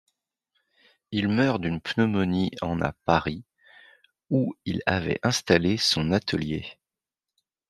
Il meurt d'une pneumonie en à Paris, où il avait installé son atelier.